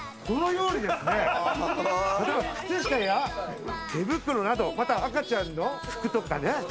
このようにですね靴下や手袋などまた赤ちゃんの服とかね。